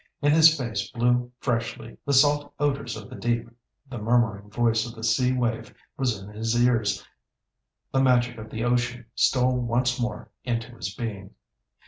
In his face blew freshly the salt odours of the deep, the murmuring voice of the sea wave was in his ears, the magic of the ocean stole once more into his being.